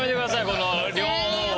この両方は。